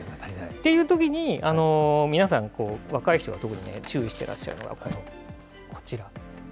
というときに、皆さん、若い人が特に注意してらっしゃるのは、こちら。